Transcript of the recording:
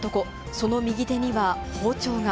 その右手には包丁が。